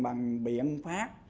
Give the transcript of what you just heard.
bằng biện pháp